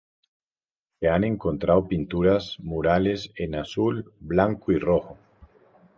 Se han encontrado pinturas murales en azul, blanco y rojo.